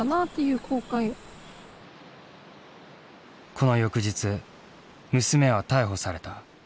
この翌日娘は逮捕された。